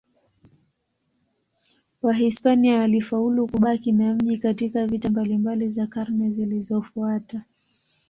Wahispania walifaulu kubaki na mji katika vita mbalimbali za karne zilizofuata.